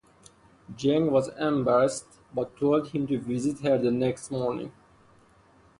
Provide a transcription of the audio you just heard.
Jiang was embarrassed but told him to visit her the next morning.